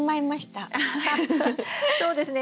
そうですね